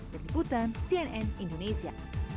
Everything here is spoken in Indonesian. perliputan cnn indonesia